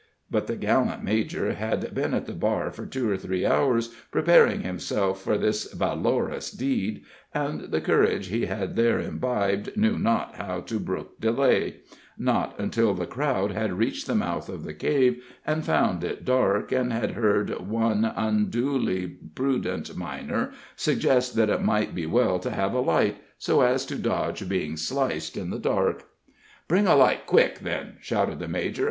But the gallant major had been at the bar for two or three hours, preparing himself for this valorous deed, and the courage he had there imbibed knew not how to brook delay not until the crowd had reached the mouth of the cave and found it dark, and had heard one unduly prudent miner suggest that it might be well to have a light, so as to dodge being sliced in the dark. "Bring a light quick, then," shouted the major.